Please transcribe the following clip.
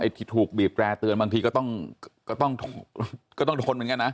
ไอ้ที่ถูกบีบแจเตือนบางทีก็ต้องทนเหมือนกันนะ